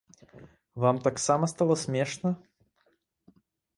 Вам таксама стала смешна?